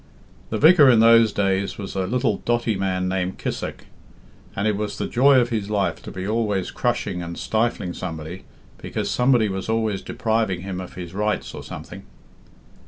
"The vicar in those days was a little dotty man named Kissack, and it was the joy of his life to be always crushing and stifling somebody, because somebody was always depriving him of his rights or something."